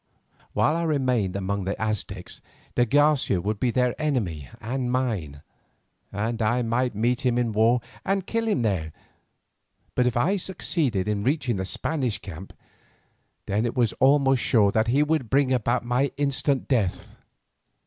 While I remained among the Aztecs de Garcia would be their enemy and mine, and I might meet him in war and kill him there. But if I succeeded in reaching the Spanish camp, then it was almost sure that he would bring about my instant death.